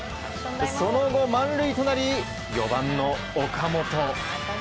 その後満塁となり、４番の岡本。